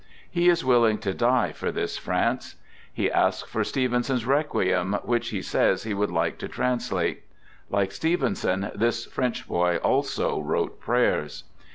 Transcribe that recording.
He is willing to die for this France. He asks for Stevenson's " Requiem," which he says he would like to translate. Like Stevenson, this French boy also wrote prayers.